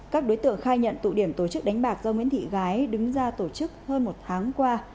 các đối tượng khai nhận tụ điểm tổ chức đánh bạc do nguyễn thị gái đứng ra tổ chức hơn một tháng qua